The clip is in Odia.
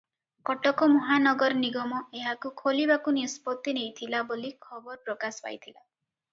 କଟକ ମହାନଗର ନିଗମ ଏହାକୁ ଖୋଲିବାକୁ ନିଷ୍ପତ୍ତି ନେଇଥିଲା ବୋଲି ଖବର ପ୍ରକାଶ ପାଇଥିଲା ।